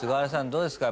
どうですか？